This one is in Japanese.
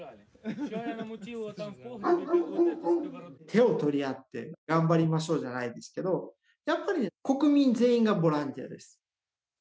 手を取り合って頑張りましょうじゃないですけどやっぱり国民全員がボランティアです。